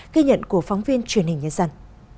ghi nhận của phóng viên truyền hình nhân dân